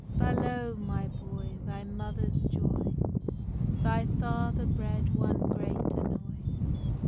Balow, my boy, thy mother's joy, Thy father bred one great annoy.